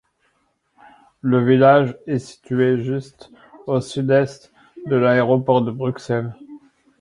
Le village est situé juste au sud-est de l’aéroport de Bruxelles.